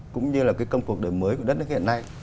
cũng như là cái công cuộc đời mới của đất nước hiện nay